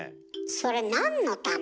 それなんのため？